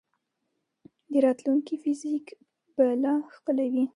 د راتلونکي فزیک به لا ښکلی وي.